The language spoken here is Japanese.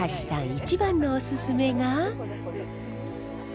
一番のおすすめが。